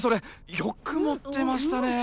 よく持ってましたねえ！